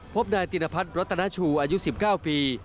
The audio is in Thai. พบนายตินพัฒน์รัตนาชูอายุ๑๙ปี